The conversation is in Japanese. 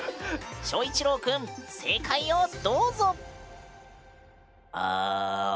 翔一郎くん正解をどうぞ！